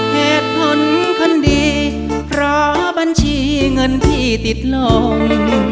เหตุผลคนดีเพราะบัญชีเงินพี่ติดลง